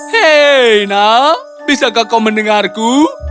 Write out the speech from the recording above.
hei nak bisakah kau mendengarku